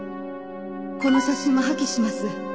「この写真も破棄します」